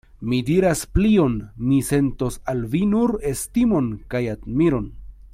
Mi diras plion: mi sentos al vi nur estimon kaj admiron.